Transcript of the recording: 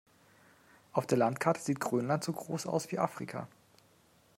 Auf der Landkarte sieht Grönland so groß aus wie Afrika.